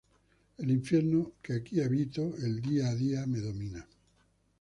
El infierno que aquí habito el día a día me domina.